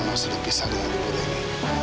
masa dipisahkan dari bule ini